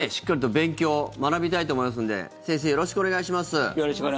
今日は、ちょっとしっかりと勉強学びたいと思いますのでよろしくお願いします。